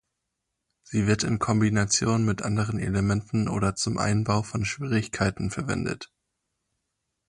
Sie wird in Kombination mit anderen Elementen oder zum Einbau von Schwierigkeiten verwendet.